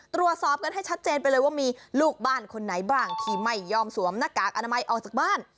ตรวจสอบกันให้ชัดเจนไปเลยว่ามีลูกบ้านคนไหนบ้างที่ไม่ยอมสวมหน้ากากอนามัยออกจากบ้าน